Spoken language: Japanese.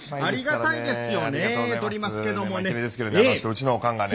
うちのおかんがね